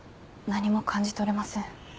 何も感じ取れません。